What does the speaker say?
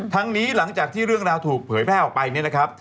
นี้หลังจากที่เรื่องราวถูกเผยแพร่ออกไปเนี่ยนะครับ